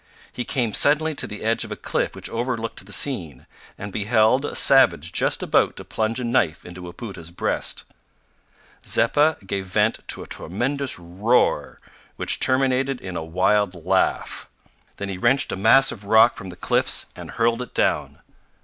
He came suddenly to the edge of a cliff which overlooked the scene, and beheld a savage just about to plunge a knife into Wapoota's breast. Zeppa gave vent to a tremendous roar, which terminated in a wild laugh. Then he wrenched a mass of rock from the cliffs and hurled it down.